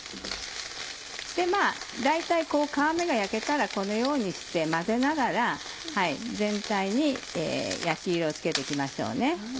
大体皮目が焼けたらこのようにして混ぜながら全体に焼き色をつけて行きましょうね。